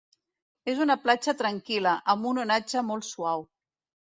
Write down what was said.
És una platja tranquil·la, amb un onatge molt suau.